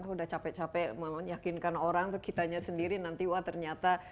aku udah capek capek meyakinkan orang kita nanya sendiri nanti wah ternyata